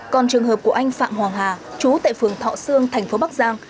còn trường hợp của anh phạm hoàng hà chú tại phường thọ sương thành phố bắc giang